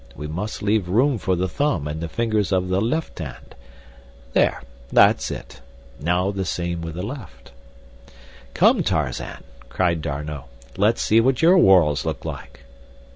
We must leave room for the thumb and the fingers of the left hand. There, that's it. Now the same with the left." "Come, Tarzan," cried D'Arnot, "let's see what your whorls look like."